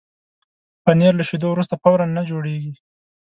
پنېر له شیدو وروسته فوراً نه جوړېږي.